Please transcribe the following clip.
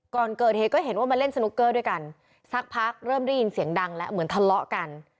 ก่อนเกิดเหตุก็เห็นว่ามาเล่นสนุกเกอร์ด้วยกันสักพักเริ่มได้ยินเสียงดังแล้วเหมือนทะเลาะกัน